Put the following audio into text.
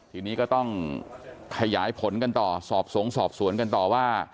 ทีนี้ก็ต้องขยายผลกันต่อสอบสงสอบสวนกันต่อว่า